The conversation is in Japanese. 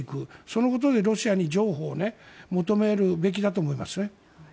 そのことでロシアに譲歩を求めるべきだと思います。